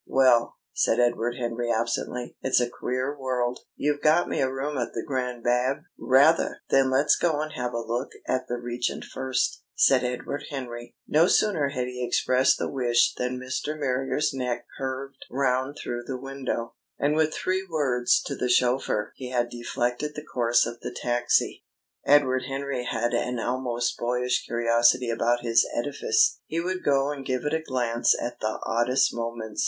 "Well," said Edward Henry absently, "it's a queer world. You've got me a room at the Grand Bab?" "Rather!" "Then let's go and have a look at the Regent first," said Edward Henry. No sooner had he expressed the wish than Mr. Marrier's neck curved round through the window, and with three words to the chauffeur he had deflected the course of the taxi. Edward Henry had an almost boyish curiosity about his edifice. He would go and give it a glance at the oddest moments.